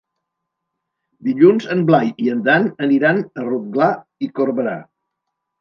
Dilluns en Blai i en Dan aniran a Rotglà i Corberà.